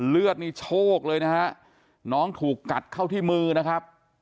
เลือดนี่โชคเลยนะฮะน้องถูกกัดเข้าที่มือนะครับ